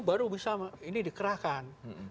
baru bisa ini dikerahkan